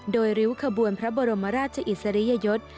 โดยริ้วขบวนพระบรมราชอิสริยยศ